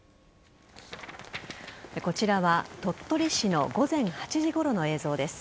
こちらは鳥取市の午前８時ごろの映像です。